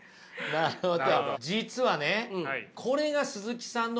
なるほど。